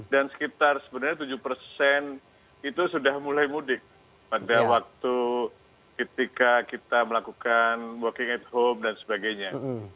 dan sekitar sebenarnya tujuh persen itu sudah mulai mudik pada waktu ketika kita melakukan working at home dan sebagainya